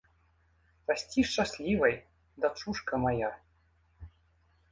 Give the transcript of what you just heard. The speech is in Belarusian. Расці шчаслівай, дачушка мая.